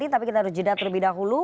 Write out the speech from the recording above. tapi kita harus jeda terlebih dahulu